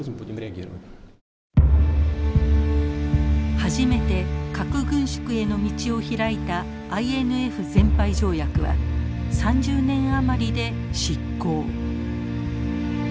初めて核軍縮への道を開いたＩＮＦ全廃条約は３０年余りで失効。